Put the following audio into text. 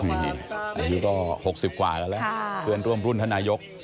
อายุก็๖๐กว่ากันแล้วเพื่อนร่วมรุ่นท่านนายก